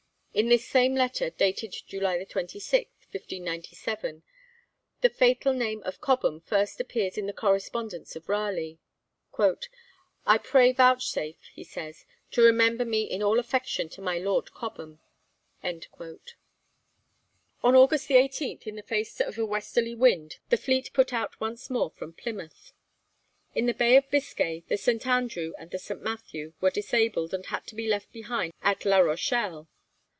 In this same letter, dated July 26, 1597, the fatal name of Cobham first appears in the correspondence of Raleigh: 'I pray vouchsafe,' he says, 'to remember me in all affection to my Lord Cobham.' On August 18, in the face of a westerly wind, the fleet put out once more from Plymouth. In the Bay of Biscay the 'St. Andrew' and the 'St. Matthew' were disabled, and had to be left behind at La Rochelle.